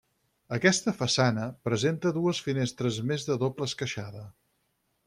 Aquesta façana presenta dues finestres més de doble esqueixada.